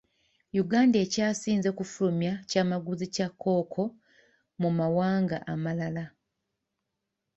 Uganda ekyasinze kufulumya kyamaguzi kya Kkooko mu mawanga amalala.